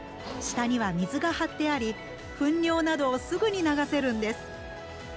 下には水が張ってありふん尿などをすぐに流せるんです。